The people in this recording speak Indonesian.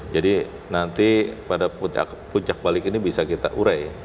jadi nanti pada puncak balik ini bisa kita urai